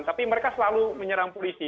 tapi mereka selalu menyerang polisi